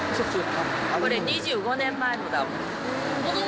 これ２５年前のダウン。